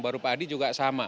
baru pak adi juga sama